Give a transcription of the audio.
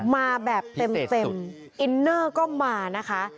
มาแบบเต็มอินเนอร์ก็มานะคะ